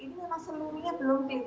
ini memang sebelumnya belum clear